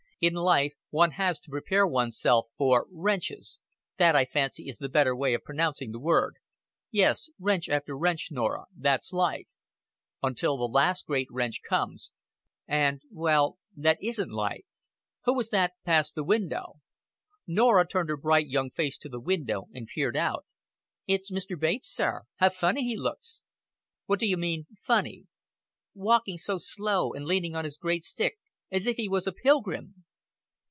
In life one has to prepare one's self for wrenches That, I fancy, is the better way of pronouncing the word. Yes, wrench after wrench, Norah that's life; until the last great wrench comes and, well, that isn't life.... Who was that passed the window?" Norah turned her bright young face to the window and peered out. "It's Mr. Bates, sir. How funny he looks!" "What d'you mean funny?" "Walking so slow, and leaning on his great stick as if he was a pilgrim."